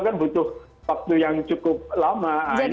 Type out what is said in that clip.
kan butuh waktu yang cukup lama